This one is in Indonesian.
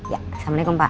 ya assalamualaikum pak